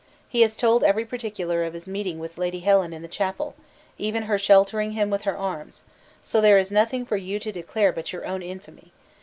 He has told every particular of his meeting with Lady Helen in the chapel, even her sheltering him with her arms; so there is nothing for you to declare but your own infamy.